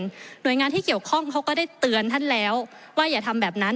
หน่วยงานที่เกี่ยวข้องเขาก็ได้เตือนท่านแล้วว่าอย่าทำแบบนั้น